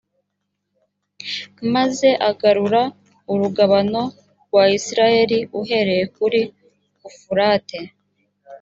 maze agarura urugabano rwa isirayeli uhereye kuri ufurate